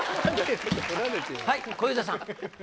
はい小遊三さん。